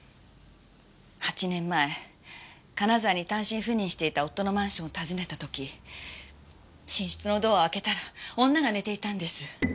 ８年前金沢に単身赴任していた夫のマンションを訪ねた時寝室のドアを開けたら女が寝ていたんです。